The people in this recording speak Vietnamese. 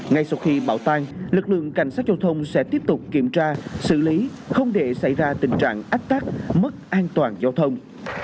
ngay sau khi bão tan lực lượng cảnh sát giao thông sẽ tiếp tục kiểm tra xử lý không để xảy ra tình trạng ách tắc mất an toàn giao thông